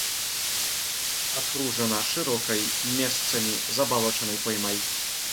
Акружана шырокай, месцамі забалочанай поймай.